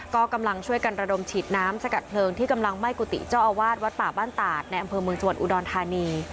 ก็กำลังช่วยกันระดมฉีดน้ำสกัดเพลิงที่กำลังไหม้กุฏิเจ้าอาวาสวัดป่าบ้านตาดในอำเภอเมืองจังหวัดอุดรธานี